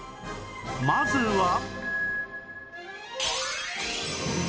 まずは